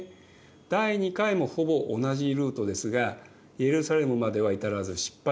第２回もほぼ同じルートですがエルサレムまでは至らず失敗しています。